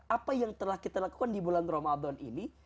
apa yang telah kita lakukan di bulan ramadan ini